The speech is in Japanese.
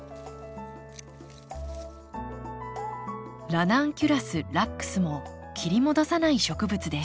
ラナンキュラスラックスも切り戻さない植物です。